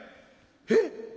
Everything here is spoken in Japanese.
「えっ？」。